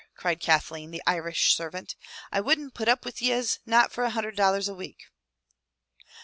cried Kathleen, the Irish servant. "I wouldn't put up wid yez, not for a hundred dollars a week!'